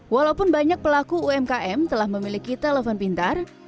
walaupun banyak pelaku umkm telah memiliki telepon pintar